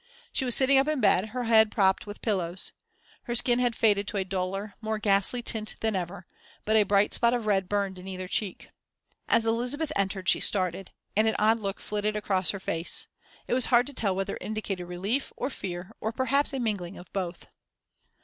She was sitting up in bed, her head propped with pillows. Her skin had faded to a duller, more ghastly tint than ever, but a bright spot of red burned in either cheek. As Elizabeth entered she started, and an odd look flitted across her face it was hard to tell whether it indicated relief, or fear, or perhaps a mingling of both.